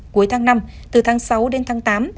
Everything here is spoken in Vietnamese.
cuối tháng năm từ tháng sáu đến tháng tám